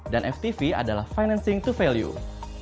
dan ftv adalah financing to value